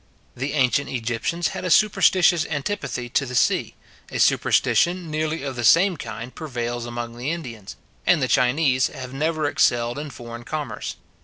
The ancient Egyptians had a superstitious antipathy to the sea; a superstition nearly of the same kind prevails among the Indians; and the Chinese have never excelled in foreign commerce.